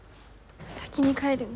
先に帰るね。